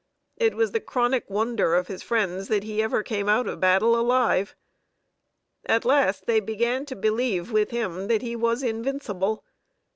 It was the chronic wonder of his friends that he ever came out of battle alive. At last they began to believe, with him, that he was invincible.